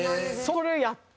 それやって。